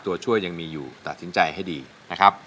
ตัวช่วยยังมีอยู่ตัดสินใจให้ดีนะครับ